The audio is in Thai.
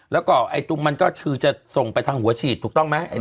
แล้วก็ไอ้ตรงมันก็คือจะส่งไปทางหัวฉีดถูกต้องไหม